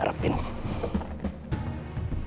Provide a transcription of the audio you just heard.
ternyata gak bisa diarepin